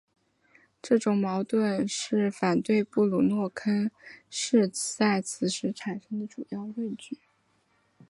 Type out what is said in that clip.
这种矛盾是反对布鲁诺坑是在此时产生的主要论据。